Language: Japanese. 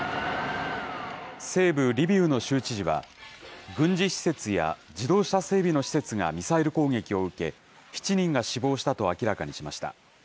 西部リビウの州知事は、軍事施設や自動車整備の施設がミサイル攻撃を受け、７人が死亡したと明らかにしました。